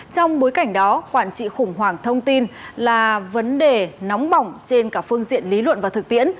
trong bối cảnh đó quản trị khủng hoảng thông tin là vấn đề nóng bỏng trên cả phương diện lý luận và thực tiễn